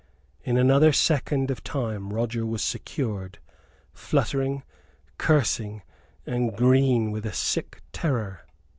In another second of time Roger was secured, fluttering, cursing, and green with a sick terror.